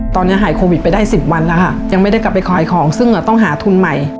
ตอนนี้หายโควิดไปได้๑๐วันแล้วค่ะยังไม่ได้กลับไปขายของซึ่งต้องหาทุนใหม่